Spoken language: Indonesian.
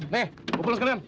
nih pulang sekalian